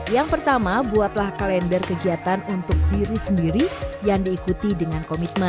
yang pertama buatlah kalender kegiatan untuk diri sendiri yang diikuti dengan komitmen